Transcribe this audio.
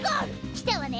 きたわね。